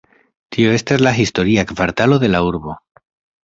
Tio estas la historia kvartalo de la urbo.